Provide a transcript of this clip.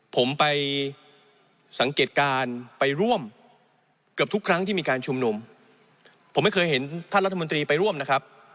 ผมไปสังเกตการณ์ไปร่วมเกือบทุกครั้งที่มีการชุมนุมผมไม่เคยเห็นท่านรัฐมนตรีไปร่วมนะครับ